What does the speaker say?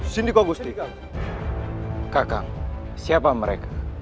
sindikau gusti kak kang siapa mereka